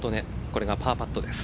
これがパーパットです。